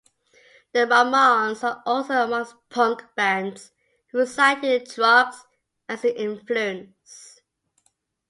The Ramones are also amongst punk bands who cited the Troggs as an influence.